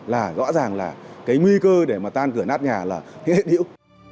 là rõ ràng là cái nguy cơ để mà tan cửa nát nhà là ghê điệu